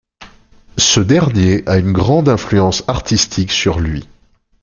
Ce dernier a une grande influence artistique sur lui.